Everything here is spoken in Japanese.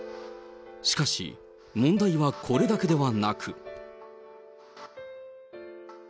しかし、問題はこれだけではなく。